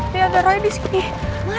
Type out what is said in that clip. dia ada roy disini